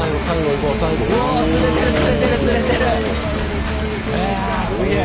いやすげえ。